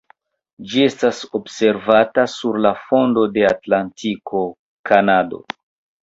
Ĝi estis observata sur la fundo de Atlantiko (Kanado).